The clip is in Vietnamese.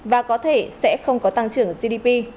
và có thể sẽ không có tăng trưởng gdp